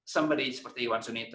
somebody seperti wan sunita